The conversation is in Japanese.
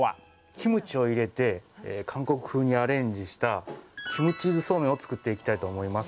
キムチを入れて韓国風にアレンジしたキムチーズそうめんを作っていきたいと思います。